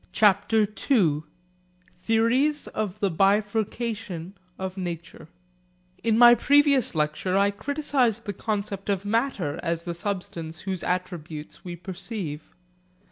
CHAPTER II THEORIES OF THE BIFURCATION OF NATURE In my previous lecture I criticised the concept of matter as the substance whose attributes we perceive.